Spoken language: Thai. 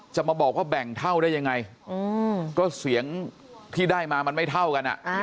จะมาบอกว่าแบ่งเท่าได้ยังไงก็เสียงที่ได้มามันไม่เท่ากัน